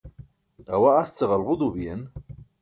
awa asce ġalġu duu biyen